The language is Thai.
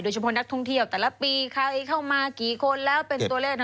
เฉพาะนักท่องเที่ยวแต่ละปีใครเข้ามากี่คนแล้วเป็นตัวเลข